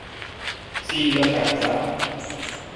See you look after that.